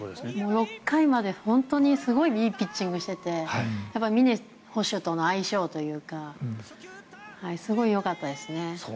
６回まで本当にすごくいいピッチングしてて峰捕手との相性というかすごいよかったですね。